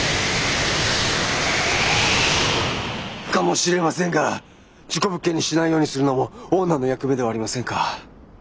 かもしれませんが事故物件にしないようにするのもオーナーの役目ではありませんか？